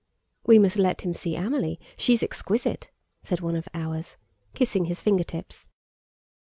"We must let him see Amelie, she's exquisite!" said one of "ours," kissing his finger tips.